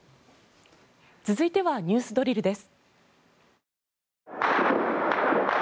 続いてはＮＥＷＳドリルです。